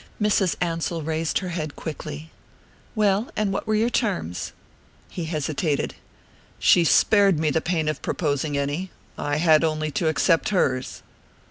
Mrs. Ansell raised her head quickly. "Well and what were your terms?" He hesitated. "She spared me the pain of proposing any I had only to accept hers."